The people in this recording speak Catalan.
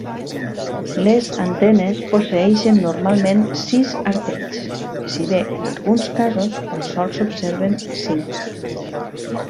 Les antenes posseeixen normalment sis artells, si bé en alguns casos tan sols s'observen cinc.